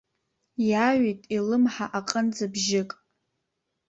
Иааҩит илымҳа аҟынӡа бжьык.